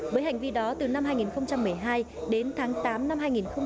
với hành vi đó từ năm hai nghìn một mươi hai đến tháng tám năm hai nghìn một mươi bảy